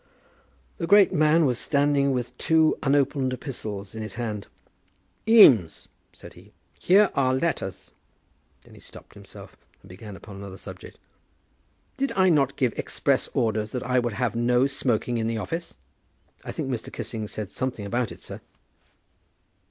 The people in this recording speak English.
The great man was standing with two unopened epistles in his hand. "Eames," said he, "here are letters " Then he stopped himself, and began upon another subject. "Did I not give express orders that I would have no smoking in the office?" "I think Mr. Kissing said something about it, sir."